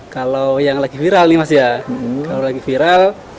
kalau yang lagi viral nih mas ya kalau lagi viral